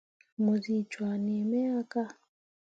Mu zi cwah nii me ya ka.